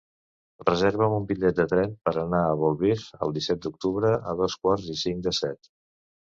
Reserva'm un bitllet de tren per anar a Bolvir el disset d'octubre a dos quarts i cinc de set.